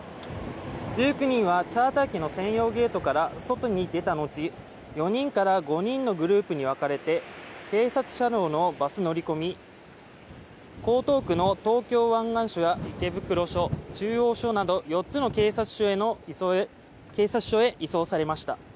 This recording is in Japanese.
１９人はチャーター機の専用ゲートから外に出た後４人から５人のグループに分かれて警察車両のバスに乗り込み江東区の東京湾岸署や池袋署、中央署など４つの警察署へ移送されました。